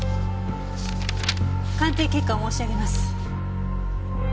鑑定結果を申し上げます。